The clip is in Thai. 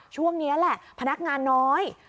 ช่วงนี้แหละพนักงานน้อย